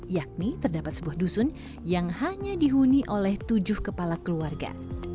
yakni terdapat sebuah dusun yang hanya dihuni oleh tujuh kepala keluarga